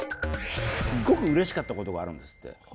すごくうれしかったことがあるんですって最近。